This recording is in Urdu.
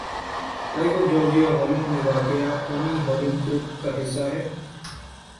لائف آف جارجیا ہالینڈ میں واقع قومی ہالینڈ گروپ کا حصّہ ہے